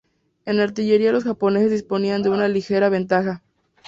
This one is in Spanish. En artillería los japoneses disponían de una ligera ventaja.